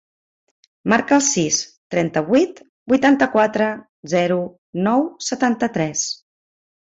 Marca el sis, trenta-vuit, vuitanta-quatre, zero, nou, setanta-tres.